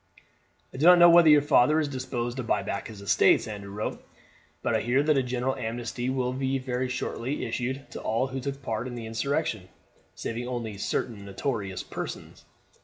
"I do not know whether your father is disposed to buy back his estates," Andrew wrote, "but I hear that a general amnesty will very shortly be issued to all who took part in the insurrection, saving only certain notorious persons.